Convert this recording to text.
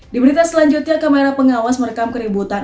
di berita selanjutnya kamera pengawas merekam keributan